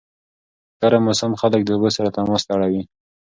ګرم موسم خلک د اوبو سره تماس ته اړوي.